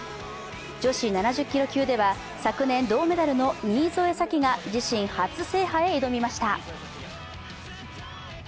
女子７０キロ級では、昨年銅メダルの新添左季が自身初制覇へ挑みました。